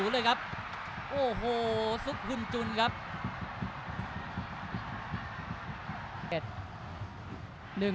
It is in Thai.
เลยครับซุคลุนจุน